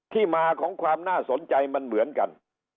ที่มาของความน่าสนใจมันเหมือนกัน